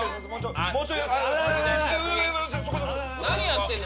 何やってんの？